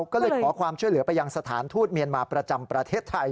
ก็เลยขอความช่วยเหลือไปยังสถานทูตเมียนมาประจำประเทศไทย